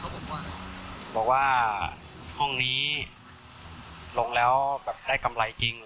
บอกว่าบอกว่าห้องนี้ลงแล้วแบบได้กำไรจริง